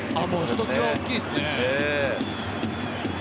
ひときわ大きいですね。